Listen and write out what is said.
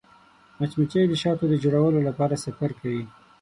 مچمچۍ د شاتو د جوړولو لپاره سفر کوي